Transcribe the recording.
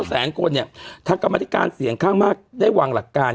แสนคนเนี่ยทางกรรมธิการเสียงข้างมากได้วางหลักการ